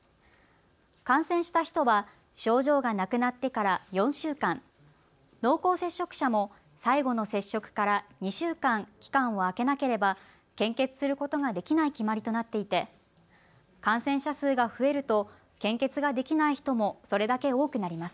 感染した人は症状がなくなってから４週間、濃厚接触者も最後の接触から２週間、期間を空けなければ献血することができない決まりとなっていて感染者数が増えると献血ができない人もそれだけ多くなります。